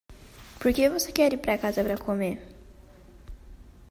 Por que você quer ir para casa para comer?